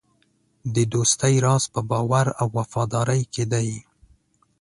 د دوستۍ راز په باور او وفادارۍ کې دی.